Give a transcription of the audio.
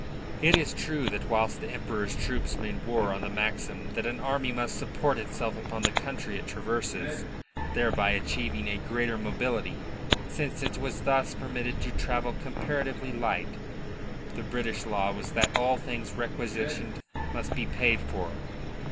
It is true that whilst the Emperor's troops made war on the maxim that an army must support itself upon the country it traverses, thereby achieving a greater mobility, since it was thus permitted to travel comparatively light, the British law was that all things requisitioned must be paid for.